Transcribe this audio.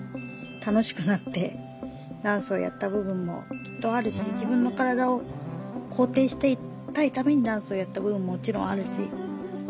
楽しくなってダンスをやった部分もきっとあるし自分の身体を肯定していたいためにダンスをやった部分ももちろんあるし。